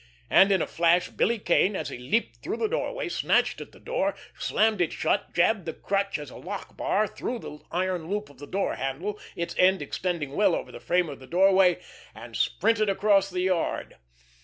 And in a flash Billy Kane, as he leaped through the doorway, snatched at the door, slammed it shut, jabbed the crutch, as a lock bar, through the iron loop of the door handle, its end extending well over the frame of the doorway—and sprinted across the yard.